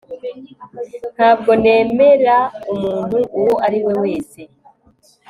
Ntabwo nemera umuntu uwo ari we wese